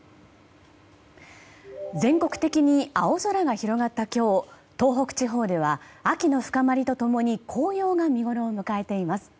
全国的に青空が広がった今日東北地方では秋の深まりと共に紅葉が見ごろを迎えています。